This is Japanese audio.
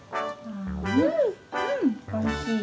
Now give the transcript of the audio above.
うんおいしい。